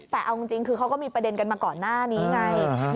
แต่เอาจริงคือเขาก็มีประเด็นกันมาก่อนหน้านี้ไง